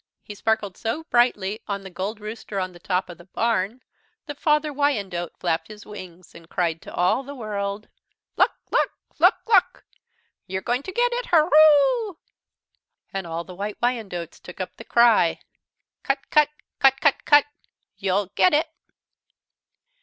He sparkled so brightly on the Gold Rooster on the top of the barn, that Father Wyandotte flapped his wings and cried to all the world: "Look, look, look, look! You're going to get it hurroo!" And all the White Wyandottes took up the cry: "Cut, cut, cut, cut, cut you'll get it."